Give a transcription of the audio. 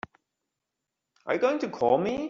Are you going to call me?